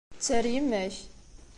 Tter yemma-k.